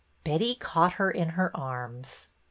Betty caught her in her arms.